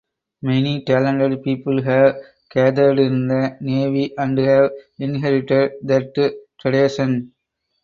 Many talented people have gathered in the Navy and have inherited that tradition.